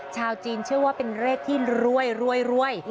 ชาวจีนเชื่อว่าเป็นเลขที่รวยรวย